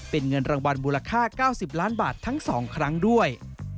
เป็นเงินรางวัลมูลค่า๙๐ล้านบาททั้ง๒ครั้งด้วย